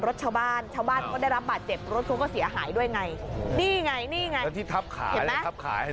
รถชาวบ้านชาวบ้านและรับบาลเจ็บรถชั้นก็เสียหายด้วยไงนี่ไงนี่ไงเสียหายด้วยไง